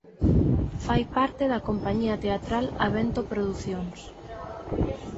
Fai parte da compañía teatral Avento Producións.